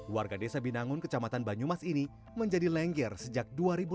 warga desa binangun kecamatan banyumas ini menjadi lengger sejak dua ribu lima belas